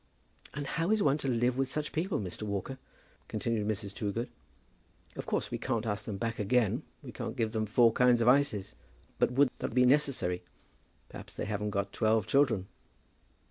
"And how is one to live with such people, Mr. Walker?" continued Mrs. Toogood. "Of course we can't ask them back again. We can't give them four kinds of ices." "But would that be necessary? Perhaps they haven't got twelve children."